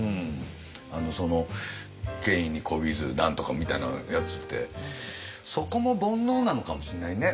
その権威にこびず何とかみたいなやつってそこも煩悩なのかもしれないね。